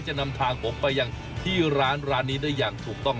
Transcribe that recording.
จะนำทางผมไปยังที่ร้านร้านนี้ได้อย่างถูกต้อง